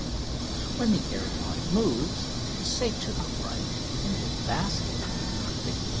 When the aeronaut moves, say, to the right in his basket, Fig.